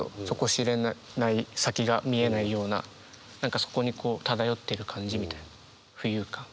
底知れない先が見えないような何かそこに漂っている感じみたいな浮遊感。